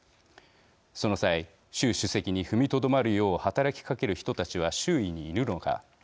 その際、習主席に踏みとどまるよう働きかける人たちは周囲にいるのか。